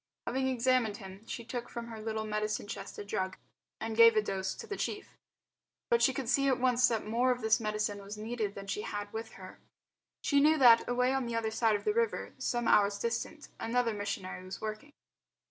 Having examined him she took from her little medicine chest a drug and gave a dose to the chief. But she could see at once that more of this medicine was needed than she had with her. She knew that, away on the other side of the river, some hours distant, another missionary was working.